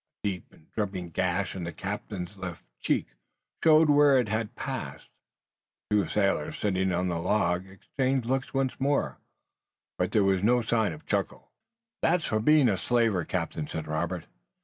A deep and dripping gash in the captain's left cheek showed where it had passed. The two sailors sitting on the log exchanged looks once more, but there was no sign of a chuckle. "That's for being a slaver, captain," said Robert.